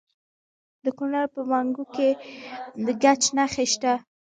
د کونړ په ماڼوګي کې د ګچ نښې شته.